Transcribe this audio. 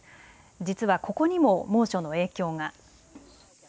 実はここにも猛暑の影響が。